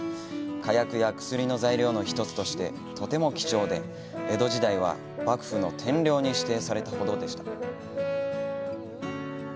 火薬や薬の材料の一つとしてとても貴重で、江戸時代は幕府の天領に指定されたほどでした。